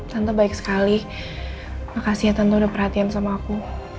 tante baik sekali makasih ya tentu udah perhatian sama aku